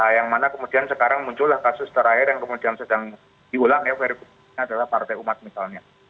yang mana kemudian sekarang muncullah kasus terakhir yang kemudian sedang diulang ya verifikasinya adalah partai umat misalnya